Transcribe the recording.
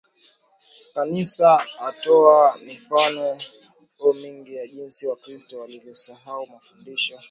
Kanisa ataona mifano mingi ya jinsi Wakristo walivyosahau mafundisho